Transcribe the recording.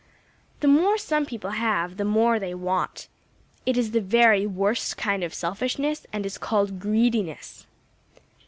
The more some people have, the more they want. It is the very worst kind of selfishness and is called greediness.